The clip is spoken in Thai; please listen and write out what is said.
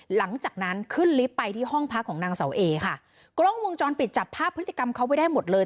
หลังจากนั้นขึ้นลิฟต์ไปที่ห้องพักของนางเสาเอค่ะกล้องวงจรปิดจับภาพพฤติกรรมเขาไว้ได้หมดเลย